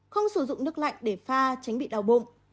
không sử dụng nước lạnh để pha tránh bị đau bụng